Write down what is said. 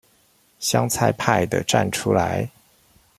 香菜派的站出來